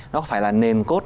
nó có phải là nền cốt